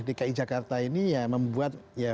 dki jakarta ini ya membuat ya